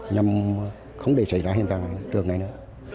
nhằm không để xảy ra hiện tại trường này nữa